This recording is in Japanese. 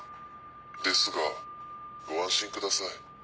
ですがご安心ください。